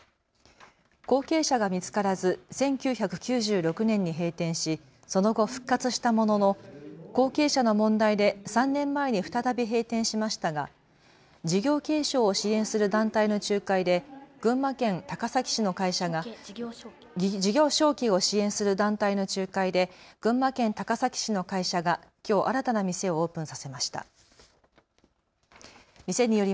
後継者が見つからず１９９６年に閉店しその後、復活したものの後継者の問題で３年前に再び閉店しましたが事業承継を支援する団体の仲介で群馬県高崎市の会社がきょう新たな店をオープンさせました。